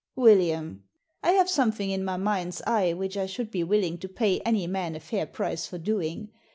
*• William! I have something in my mind's eye which I should be willing to pay any man a fair price for doing.